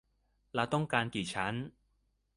เราต้องการกี่ชั้น ?